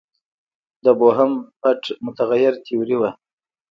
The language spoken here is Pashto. د بوهم پټ متغیر تیوري وه.